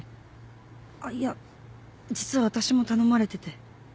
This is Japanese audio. あっいや実は私も頼まれてて。